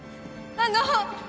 あの！